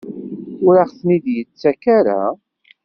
Ur aɣ-ten-id-yettak ara?